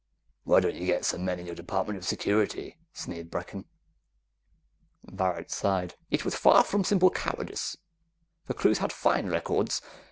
"Why don't you get some men in your Department of Security?" sneered Brecken. Varret sighed. "It was far from simple cowardice. The crews had fine records.